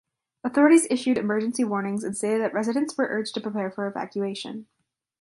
Authorities issued emergency warnings and stated that residents were urged to prepare for evacuation.